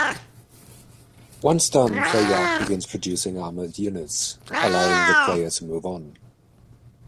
Once done, the Yard begins producing armored units, allowing the player to move on.